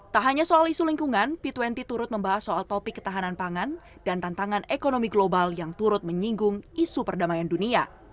tak hanya soal isu lingkungan p dua puluh turut membahas soal topik ketahanan pangan dan tantangan ekonomi global yang turut menyinggung isu perdamaian dunia